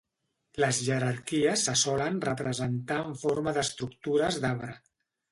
Les jerarquies se solen representar en forma d'estructures d'arbre.